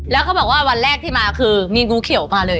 แล้วเขาบอกว่าวันแรกที่มาคือมีงูเขียวมาเลย